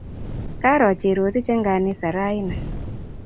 Karo Cherotich eng' ganisa raini